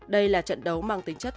đây là trận đấu mang tính chất